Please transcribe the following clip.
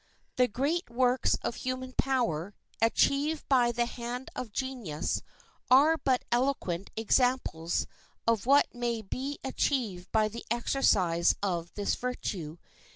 The great works of human power, achieved by the hand of genius, are but eloquent examples of what may be achieved by the exercise of this virtue.